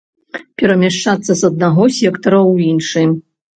Перамяшчацца з аднаго сектара ў іншы.